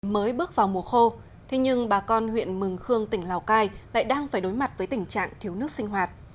mới bước vào mùa khô thế nhưng bà con huyện mừng khương tỉnh lào cai lại đang phải đối mặt với tình trạng thiếu nước sinh hoạt